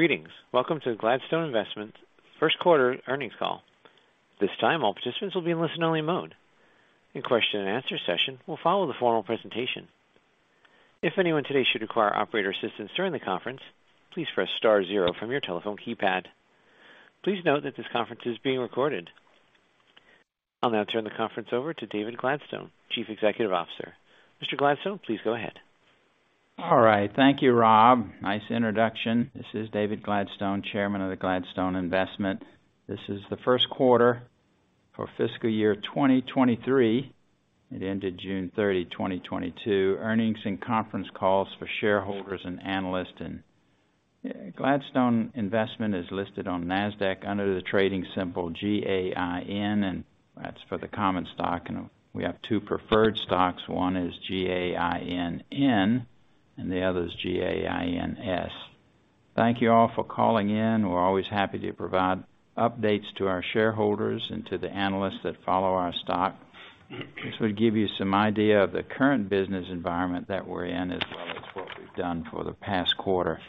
Greetings. Welcome to the Gladstone Investment first quarter earnings call. This time, all participants will be in listen only mode. A Q&A session will follow the formal presentation. If anyone today should require operator assistance during the conference, please press star zero from your telephone keypad. Please note that this conference is being recorded. I'll now turn the conference over to David Gladstone, Chief Executive Officer. Mr. Gladstone, please go ahead. All right. Thank you, Rob. Nice introduction. This is David Gladstone, Chairman of the Gladstone Investment. This is the first quarter for fiscal year 2023. It ended June 30, 2022. Earnings conference call for shareholders and analysts. Gladstone Investment is listed on Nasdaq under the trading symbol GAIN, and that's for the common stock. We have two preferred stocks. One is GAINN, and the other is GAINS. Thank you all for calling in. We're always happy to provide updates to our shareholders and to the analysts that follow our stock. This would give you some idea of the current business environment that we're in as well as what we've done for the past quarter.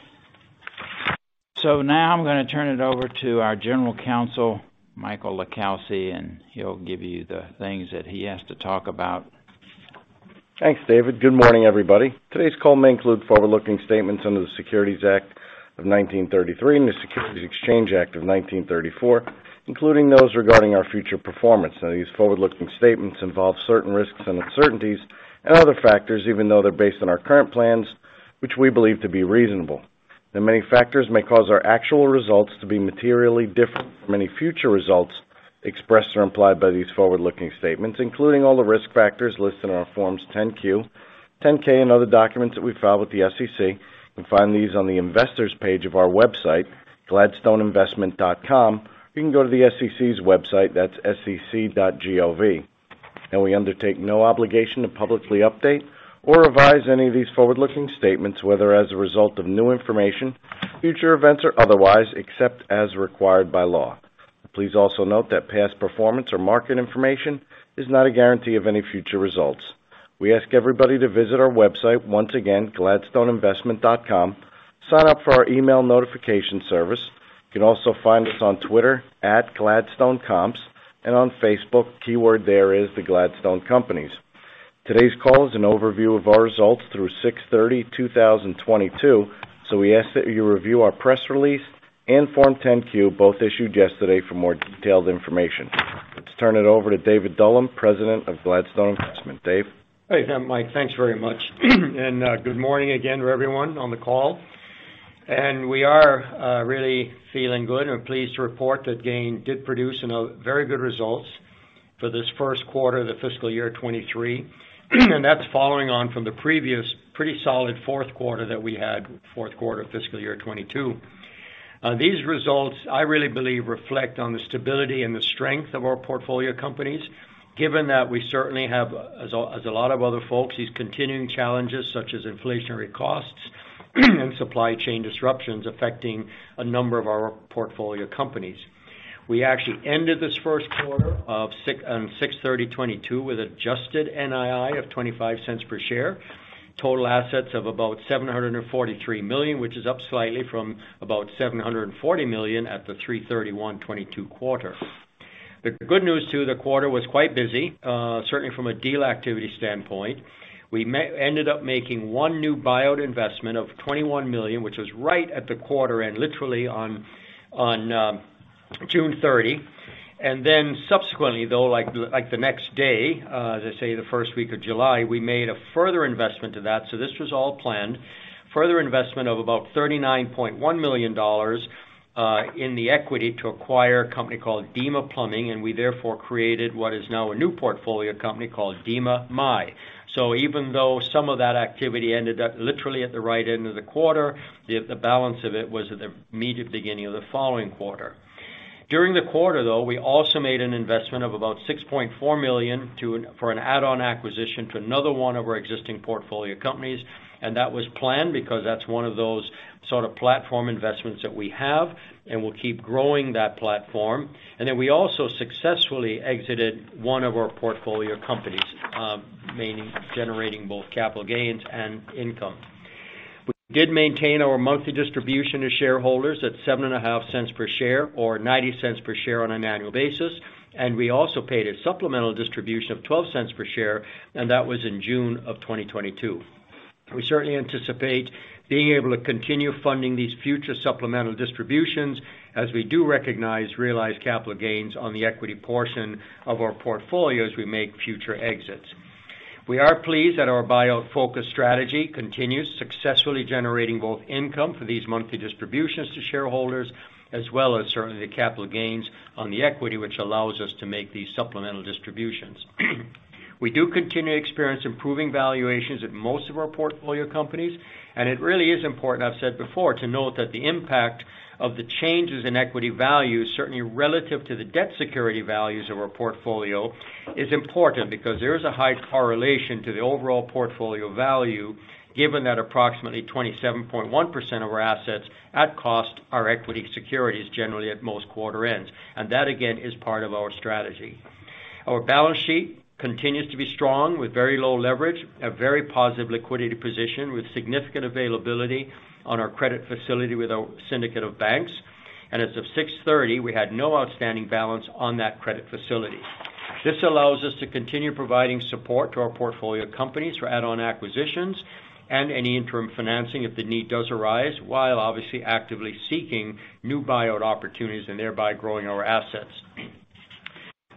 Now I'm gonna turn it over to our General Counsel, Michael LiCalsi, and he'll give you the things that he has to talk about. Thanks, David. Good morning, everybody. Today's call may include forward-looking statements under the Securities Act of 1933 and the Securities Exchange Act of 1934, including those regarding our future performance. Now these forward-looking statements involve certain risks and uncertainties and other factors, even though they're based on our current plans, which we believe to be reasonable. Many factors may cause our actual results to be materially different from any future results expressed or implied by these forward-looking statements, including all the risk factors listed in our Forms 10-Q, 10-K and other documents that we've filed with the SEC. You can find these on the investors page of our website, gladstoneinvestment.com. You can go to the SEC's website, that's sec.gov. We undertake no obligation to publicly update or revise any of these forward-looking statements, whether as a result of new information, future events, or otherwise, except as required by law. Please also note that past performance or market information is not a guarantee of any future results. We ask everybody to visit our website once again, gladstoneinvestment.com, sign up for our email notification service. You can also find us on Twitter, @GladstoneComps and on Facebook. Keyword there is the Gladstone Companies. Today's call is an overview of our results through June 30, 2022. We ask that you review our press release and Form 10-Q, both issued yesterday for more detailed information. Let's turn it over to David Dullum, President of Gladstone Investment. Dave? Hey, Mike. Thanks very much. Good morning again to everyone on the call. We are really feeling good and pleased to report that GAIN did produce, you know, very good results for this first quarter of the fiscal year 2023. That's following on from the previous pretty solid fourth quarter that we had, fourth quarter of fiscal year 2022. These results, I really believe, reflect on the stability and the strength of our portfolio companies. Given that we certainly have, as a lot of other folks, these continuing challenges, such as inflationary costs and supply chain disruptions affecting a number of our portfolio companies. We actually ended this first quarter on June 30, 2022 with adjusted NII of $0.25 per share, total assets of about $743 million, which is up slightly from about $740 million at the March 31, 2022 quarter. The good news is the quarter was quite busy, certainly from a deal activity standpoint. We ended up making one new buyout investment of $21 million, which was right at the quarter end, literally on June 30. Then subsequently though, like the next day, as I say, the first week of July, we made a further investment to that. This was all planned. Further investment of about $39.1 million in the equity to acquire a company called Dema Plumbing, and we therefore created what is now a new portfolio company called Mai-Dema. Even though some of that activity ended up literally at the right end of the quarter, the balance of it was at the immediate beginning of the following quarter. During the quarter though, we also made an investment of about $6.4 million for an add-on acquisition to another one of our existing portfolio companies. That was planned because that's one of those sort of platform investments that we have, and we'll keep growing that platform. We also successfully exited one of our portfolio companies, meaning generating both capital gains and income. We did maintain our monthly distribution to shareholders at $0.075 per share or $0.90 per share on an annual basis. We also paid a supplemental distribution of $0.12 per share, and that was in June 2022. We certainly anticipate being able to continue funding these future supplemental distributions as we do recognize realized capital gains on the equity portion of our portfolio as we make future exits. We are pleased that our buyout focus strategy continues successfully generating both income for these monthly distributions to shareholders, as well as certainly the capital gains on the equity, which allows us to make these supplemental distributions. We do continue to experience improving valuations at most of our portfolio companies. It really is important, I've said before, to note that the impact of the changes in equity values, certainly relative to the debt security values of our portfolio, is important because there is a high correlation to the overall portfolio value given that approximately 27.1% of our assets at cost are equity securities generally at most quarter ends. That, again, is part of our strategy. Our balance sheet continues to be strong with very low leverage, a very positive liquidity position with significant availability on our credit facility with our syndicate of banks. As of June 30, we had no outstanding balance on that credit facility. This allows us to continue providing support to our portfolio companies for add-on acquisitions and any interim financing if the need does arise, while obviously actively seeking new buyout opportunities and thereby growing our assets.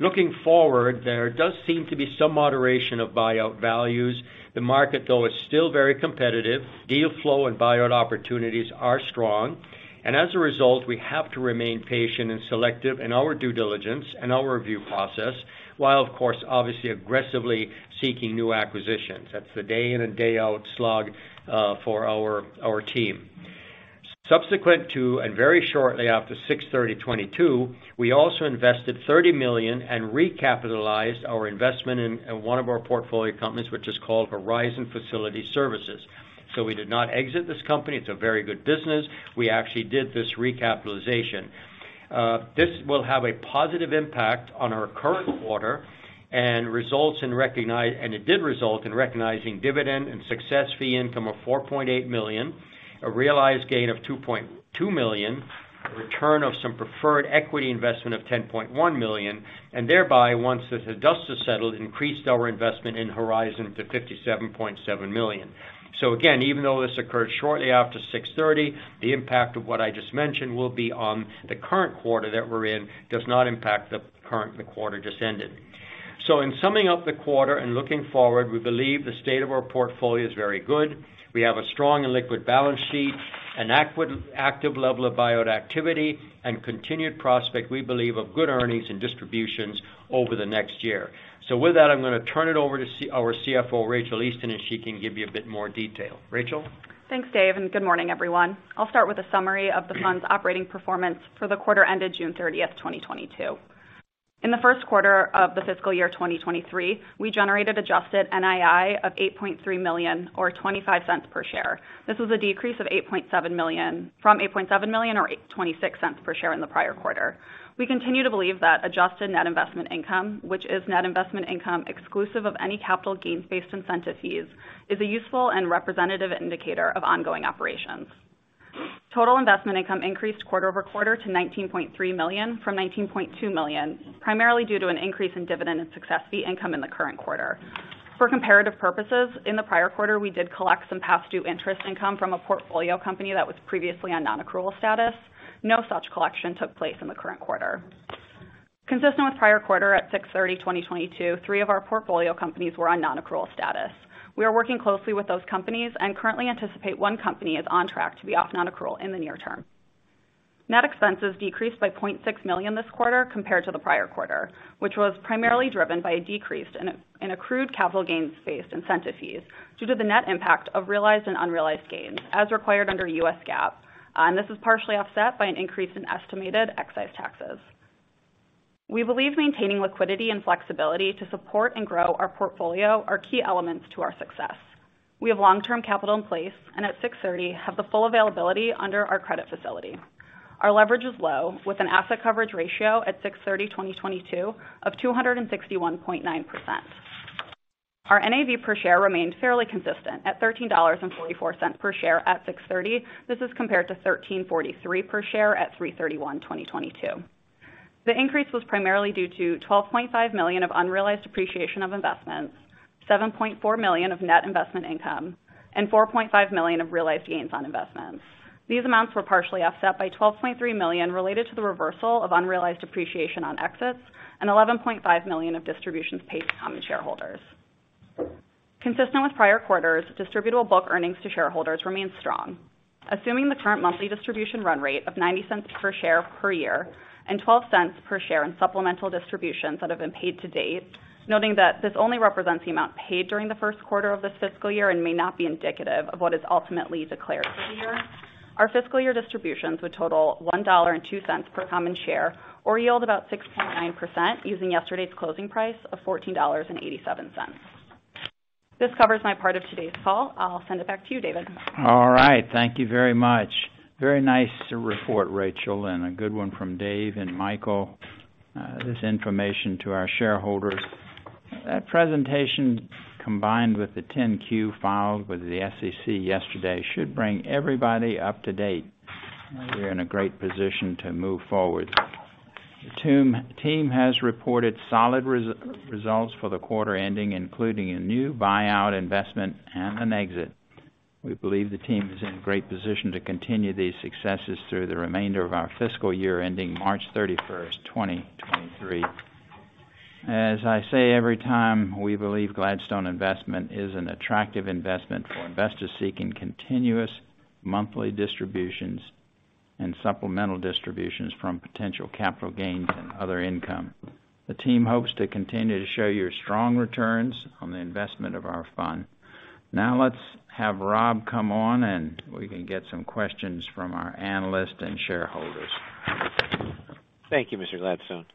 Looking forward, there does seem to be some moderation of buyout values. The market, though, is still very competitive. Deal flow and buyout opportunities are strong. As a result, we have to remain patient and selective in our due diligence and our review process, while of course, obviously aggressively seeking new acquisitions. That's the day in and day out slog for our team. Subsequent to very shortly after June 30, 2022, we also invested $30 million and recapitalized our investment in one of our portfolio companies, which is called Horizon Facility Services. We did not exit this company. It's a very good business. We actually did this recapitalization. This will have a positive impact on our current quarter, and it did result in recognizing dividend and success fee income of $4.8 million, a realized gain of $2.2 million, a return of some preferred equity investment of $10.1 million, and thereby, once the dust has settled, increased our investment in Horizon to $57.7 million. Again, even though this occurred shortly after June 30, the impact of what I just mentioned will be on the current quarter that we're in, does not impact the current quarter just ended. In summing up the quarter and looking forward, we believe the state of our portfolio is very good. We have a strong and liquid balance sheet, an active level of buyout activity, and continued prospect, we believe, of good earnings and distributions over the next year. With that, I'm gonna turn it over to our CFO, Rachael Easton, and she can give you a bit more detail. Rachael. Thanks, Dave, and good morning, everyone. I'll start with a summary of the fund's operating performance for the quarter ended June 30, 2022. In the first quarter of the fiscal year 2023, we generated adjusted NII of $8.3 million or $0.25 per share. This was a decrease from $8.7 million or $0.26 per share in the prior quarter. We continue to believe that adjusted net investment income, which is net investment income exclusive of any capital gains-based incentive fees, is a useful and representative indicator of ongoing operations. Total investment income increased quarter-over-quarter to $19.3 million from $19.2 million, primarily due to an increase in dividend and success fee income in the current quarter. For comparative purposes, in the prior quarter, we did collect some past due interest income from a portfolio company that was previously on non-accrual status. No such collection took place in the current quarter. Consistent with prior quarter at June 30, 2022, three of our portfolio companies were on non-accrual status. We are working closely with those companies and currently anticipate one company is on track to be off non-accrual in the near term. Net expenses decreased by $0.6 million this quarter compared to the prior quarter, which was primarily driven by a decrease in accrued capital gains-based incentive fees due to the net impact of realized and unrealized gains as required under U.S. GAAP. This is partially offset by an increase in estimated excise taxes. We believe maintaining liquidity and flexibility to support and grow our portfolio are key elements to our success. We have long-term capital in place, and at June 30, 2022 have the full availability under our credit facility. Our leverage is low, with an asset coverage ratio at June 30, 2022 of 261.9%. Our NAV per share remained fairly consistent at $13.44 per share at June 30, 2022. This is compared to $13.43 per share at March 31,2022. The increase was primarily due to $12.5 million of unrealized appreciation of investments, $7.4 million of net investment income, and $4.5 million of realized gains on investments. These amounts were partially offset by $12.3 million related to the reversal of unrealized appreciation on exits and $11.5 million of distributions paid to common shareholders. Consistent with prior quarters, distributable book earnings to shareholders remained strong. Assuming the current monthly distribution run rate of $0.90 per share per year and $0.12 per share in supplemental distributions that have been paid to date, noting that this only represents the amount paid during the first quarter of this fiscal year and may not be indicative of what is ultimately declared for the year. Our fiscal year distributions would total $1.02 per common share or yield about 6.9% using yesterday's closing price of $14.87. This covers my part of today's call. I'll send it back to you, David. Thank you very much. Very nice report, Rachel, and a good one from Dave and Michael. This information to our shareholders. That presentation, combined with the Form 10-Q filed with the SEC yesterday, should bring everybody up to date. We're in a great position to move forward. The team has reported solid results for the quarter ending, including a new buyout investment and an exit. We believe the team is in great position to continue these successes through the remainder of our fiscal year ending March 31, 2023. As I say, every time, we believe Gladstone Investment is an attractive investment for investors seeking continuous monthly distributions and supplemental distributions from potential capital gains and other income. The team hopes to continue to show you strong returns on the investment of our fund. Now let's have Rob come on, and we can get some questions from our analysts and shareholders. Thank you, Mr. Gladstone.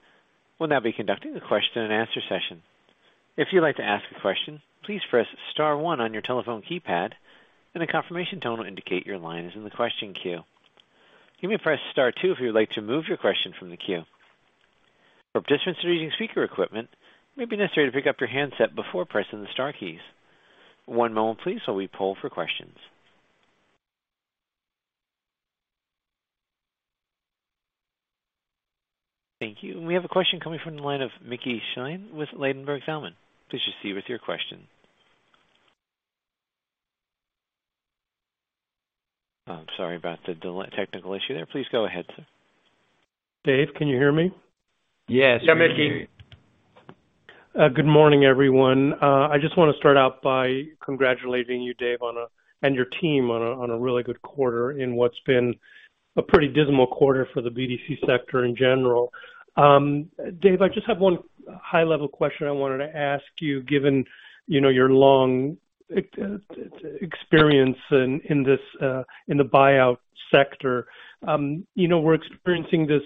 We'll now be conducting a Q&A session. If you'd like to ask a question, please press star one on your telephone keypad, and a confirmation tone will indicate your line is in the question queue. You may press star two if you would like to move your question from the queue. For participants who are using speaker equipment, it may be necessary to pick up your handset before pressing the star keys. One moment please while we poll for questions. Thank you. We have a question coming from the line of Mickey Schleien with Ladenburg Thalmann. Please proceed with your question. I'm sorry about the technical issue there. Please go ahead, sir. Dave, can you hear me? Yes. Yeah, Mickey. Good morning, everyone. I just wanna start out by congratulating you, Dave, and your team on a really good quarter in what's been a pretty dismal quarter for the BDC sector in general. Dave, I just have one high level question I wanted to ask you, given you know your long experience in the buyout sector. You know, we're experiencing this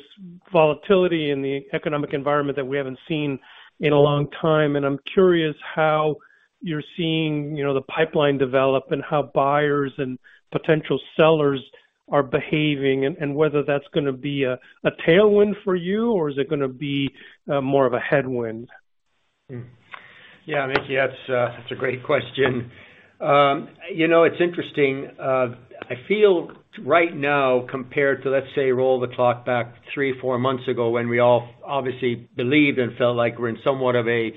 volatility in the economic environment that we haven't seen in a long time, and I'm curious how you're seeing you know the pipeline develop and how buyers and potential sellers are behaving, and whether that's gonna be a tailwind for you, or is it gonna be more of a headwind? Yeah, Mickey, that's a great question. You know, it's interesting. I feel right now compared to, let's say, roll the clock back three, four months ago when we all obviously believed and felt like we're in somewhat of a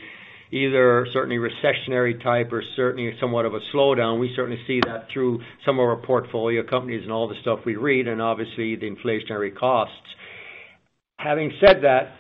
either certainly recessionary type or certainly somewhat of a slowdown. We certainly see that through some of our portfolio companies and all the stuff we read and obviously the inflationary costs. Having said that,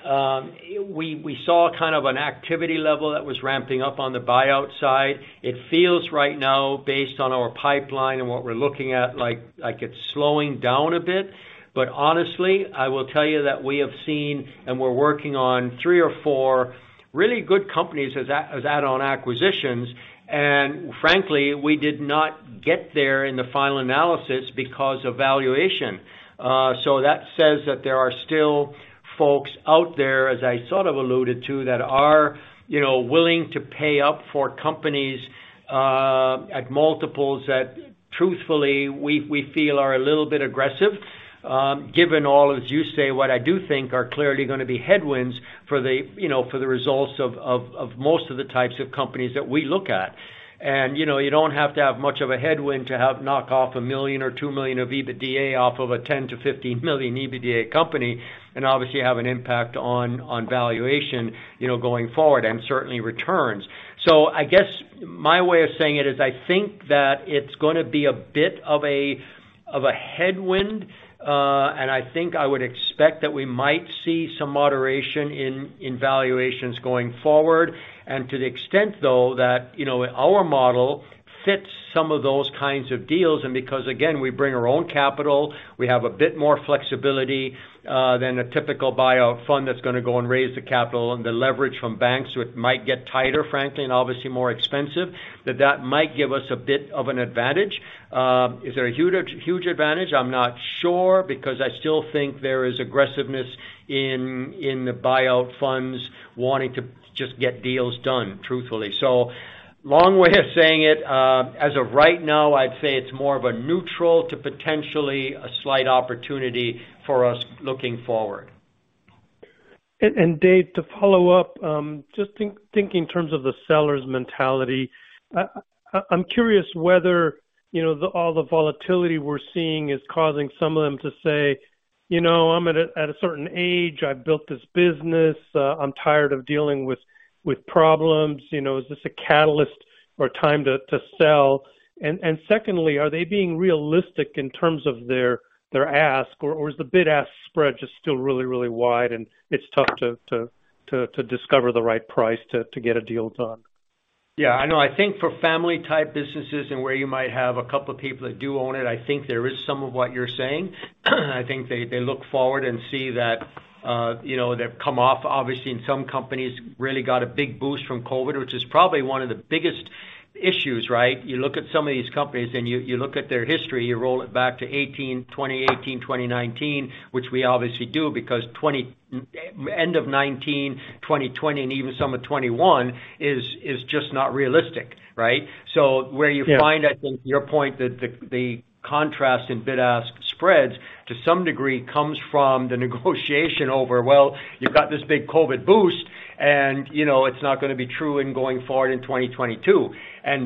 we saw kind of an activity level that was ramping up on the buyout side. It feels right now based on our pipeline and what we're looking at like it's slowing down a bit. Honestly, I will tell you that we have seen, and we're working on three or four really good companies as add-on acquisitions, and frankly, we did not get there in the final analysis because of valuation. That says that there are still folks out there, as I sort of alluded to, that are, you know, willing to pay up for companies, at multiples that truthfully we feel are a little bit aggressive, given all, as you say, what I do think are clearly gonna be headwinds for the, you know, for the results of most of the types of companies that we look at. You know, you don't have to have much of a headwind to knock off $1 million or $2 million of EBITDA off of a $10 million-$15 million EBITDA company and obviously have an impact on valuation, you know, going forward and certainly returns. I guess my way of saying it is I think that it's gonna be a bit of a headwind, and I think I would expect that we might see some moderation in valuations going forward. To the extent, though, that, you know, our model fits some of those kinds of deals and because again, we bring our own capital, we have a bit more flexibility than a typical buyout fund that's gonna go and raise the capital and the leverage from banks which might get tighter, frankly, and obviously more expensive. That might give us a bit of an advantage. Is there a huge advantage? I'm not sure because I still think there is aggressiveness in the buyout funds wanting to just get deals done truthfully. Long way of saying it, as of right now, I'd say it's more of a neutral to potentially a slight opportunity for us looking forward. Dave, to follow up, just thinking in terms of the seller's mentality. I'm curious whether, you know, all the volatility we're seeing is causing some of them to say, "You know, I'm at a certain age, I've built this business, I'm tired of dealing with problems, you know, is this a catalyst or time to sell?" Secondly, are they being realistic in terms of their ask or is the bid-ask spread just still really wide and it's tough to discover the right price to get a deal done? Yeah, I know. I think for family type businesses and where you might have a couple of people that do own it, I think there is some of what you're saying. I think they look forward and see that, you know, they've come off obviously, and some companies really got a big boost from COVID, which is probably one of the biggest issues, right? You look at some of these companies and you look at their history, you roll it back to 2018, 2019, which we obviously do because end of 2019, 2020 and even some of 2021 is just not realistic, right? Where you find Yeah. I think to your point that the contrast in bid-ask spreads to some degree comes from the negotiation over, well, you've got this big COVID boost and, you know, it's not gonna be true in going forward in 2022.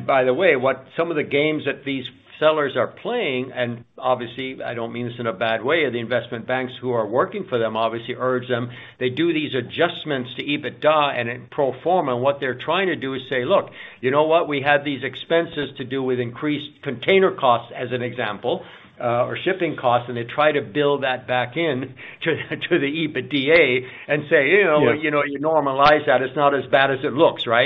By the way, what some of the games that these sellers are playing, and obviously I don't mean this in a bad way, are the investment banks who are working for them obviously urge them. They do these adjustments to EBITDA and in pro forma. What they're trying to do is say, "Look, you know what? We have these expenses to do with increased container costs, as an example, or shipping costs," and they try to bill that back in to the EBITDA and say, you know- Yes. You know, you normalize that, it's not as bad as it looks, right?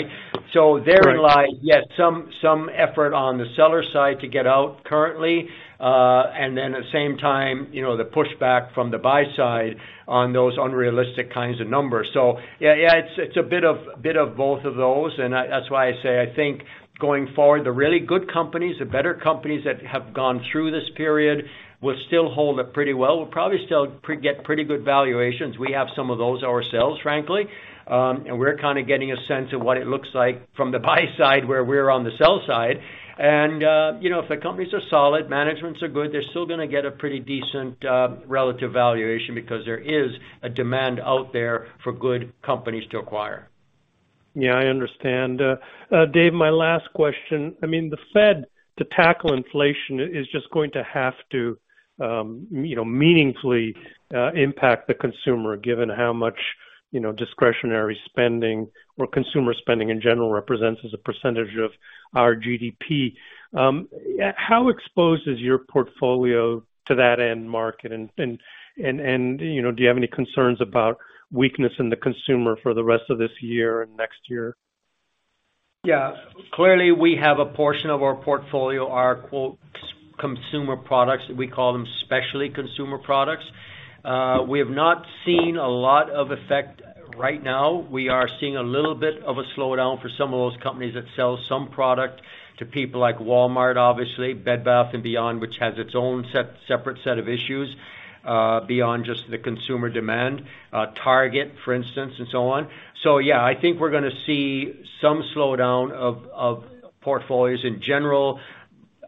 Right. Therein lies, yes, some effort on the seller side to get out currently. Then at the same time, you know, the pushback from the buy side on those unrealistic kinds of numbers. Yeah, it's a bit of both of those, and that's why I say I think going forward, the really good companies, the better companies that have gone through this period will still hold up pretty well. We'll probably still get pretty good valuations. We have some of those ourselves, frankly. We're kinda getting a sense of what it looks like from the buy side where we're on the sell side. You know, if the companies are solid, managements are good, they're still gonna get a pretty decent relative valuation because there is a demand out there for good companies to acquire. Yeah, I understand. Dave, my last question. I mean, the Fed to tackle inflation is just going to have to, you know, meaningfully impact the consumer, given how much, you know, discretionary spending or consumer spending in general represents as a percentage of our GDP. How exposed is your portfolio to that end market? You know, do you have any concerns about weakness in the consumer for the rest of this year and next year? Yeah. Clearly, we have a portion of our portfolio, our quote, so-called consumer products, we call them specialty consumer products. We have not seen a lot of effect right now. We are seeing a little bit of a slowdown for some of those companies that sell some product to people like Walmart, obviously, Bed Bath & Beyond, which has its own separate set of issues, beyond just the consumer demand, Target, for instance, and so on. Yeah, I think we're gonna see some slowdown of portfolios in general.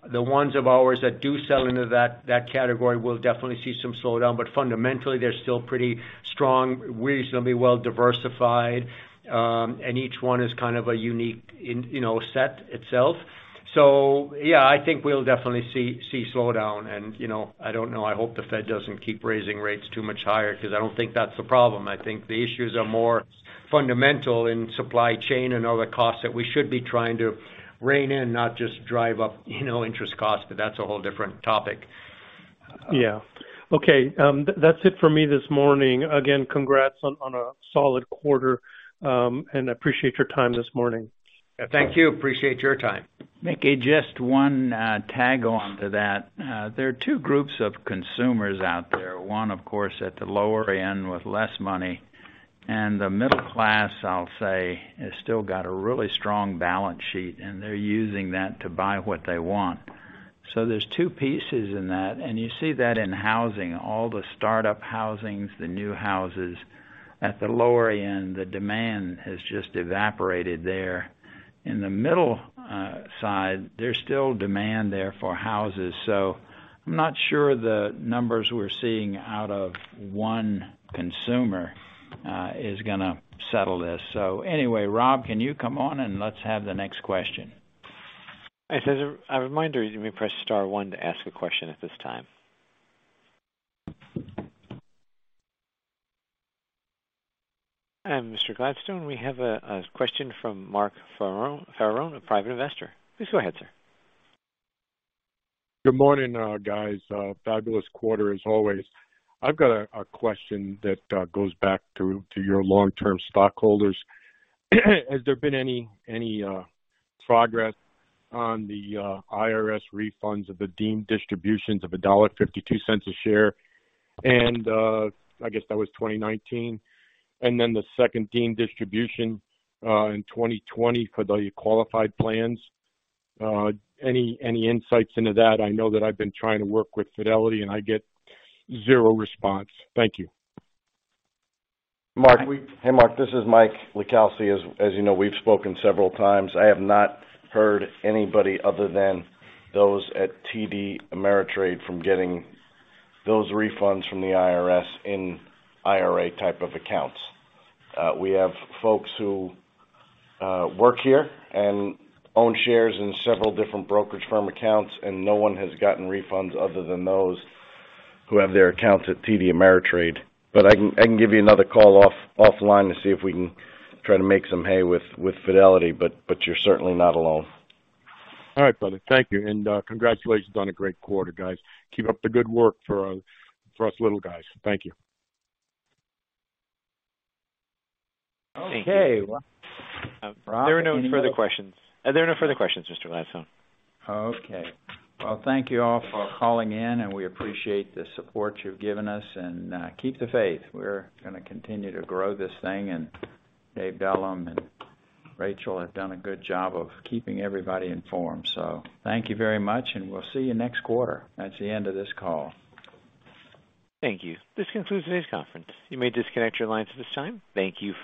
The ones of ours that do sell into that category will definitely see some slowdown, but fundamentally they're still pretty strong, reasonably well diversified, and each one is kind of a unique in, you know, set itself. Yeah, I think we'll definitely see slowdown and, you know, I don't know, I hope the Fed doesn't keep raising rates too much higher 'cause I don't think that's the problem. I think the issues are more fundamental in supply chain and other costs that we should be trying to rein in, not just drive up, you know, interest costs, but that's a whole different topic. Yeah. Okay. That's it for me this morning. Again, congrats on a solid quarter. I appreciate your time this morning. Thank you. Appreciate your time. Mickey, just one tag onto that. There are two groups of consumers out there. One, of course, at the lower end with less money, and the middle class, I'll say, has still got a really strong balance sheet, and they're using that to buy what they want. There's two pieces in that, and you see that in housing. All the startup housings, the new houses at the lower end, the demand has just evaporated there. In the middle side, there's still demand there for houses. I'm not sure the numbers we're seeing out of one consumer is gonna settle this. Anyway, Rob, can you come on and let's have the next question. As a reminder, you may press star one to ask a question at this time. Mr. Gladstone, we have a question from Mark Farone, a private investor. Please go ahead, sir. Good morning, guys. Fabulous quarter as always. I've got a question that goes back to your long-term stockholders. Has there been any progress on the IRS refunds of the deemed distributions of $1.52 a share? I guess that was 2019. The second deemed distribution in 2020 for the qualified plans. Any insights into that? I know that I've been trying to work with Fidelity, and I get 0 response. Thank you. Mark. Hey, Mark, this is Michael LiCalsi. As you know, we've spoken several times. I have not heard anybody other than those at TD Ameritrade from getting those refunds from the IRS in IRA type of accounts. We have folks who work here and own shares in several different brokerage firm accounts, and no one has gotten refunds other than those who have their accounts at TD Ameritrade. I can give you another call offline to see if we can try to make some hay with Fidelity, but you're certainly not alone. All right, brother. Thank you. Congratulations on a great quarter, guys. Keep up the good work for us little guys. Thank you. Okay. There are no further questions, Mr. Gladstone. Okay. Well, thank you all for calling in, and we appreciate the support you've given us, and keep the faith. We're gonna continue to grow this thing, and David Dullum and Rachael have done a good job of keeping everybody informed. So thank you very much, and we'll see you next quarter. That's the end of this call. Thank you. This concludes today's conference. You may disconnect your lines at this time. Thank you for your